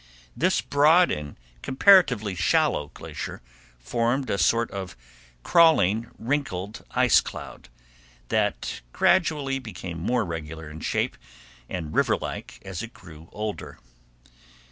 This broad and comparatively shallow glacier formed a sort of crawling, wrinkled ice cloud, that gradually became more regular in shape and river like as it grew older.